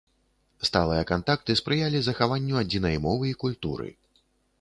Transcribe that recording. Сталыя кантакты спрыялі захаванню адзінай мовы і культуры.